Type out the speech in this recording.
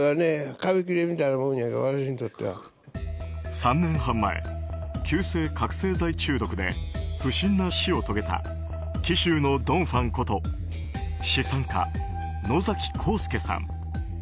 ３年半前、急性覚醒剤中毒で不審な死を遂げた紀州のドン・ファンこと資産家・野崎幸助さん。